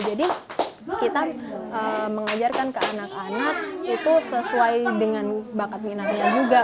jadi kita mengajarkan ke anak anak itu sesuai dengan bakat minatnya juga